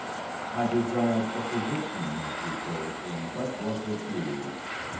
I desired a physician might be called in; but was refused.